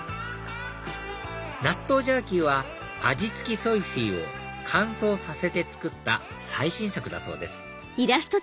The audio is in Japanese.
ナットウジャーキーは味付きソイフィーを乾燥させて作った最新作だそうです